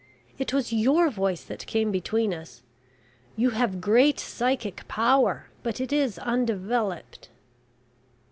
It was your voice that came between us. You have great psychic power; but it is undeveloped."